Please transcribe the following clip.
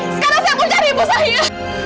sekarang saya mau cari ibu saya